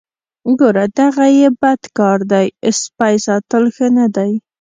ګوره دغه یې بد کار دی سپی ساتل ښه نه دي.